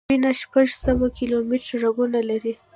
وینه شپږ سوه کیلومټره رګونه لري.